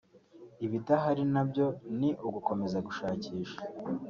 ibidahari nabyo ni ugukomeza gushakisha"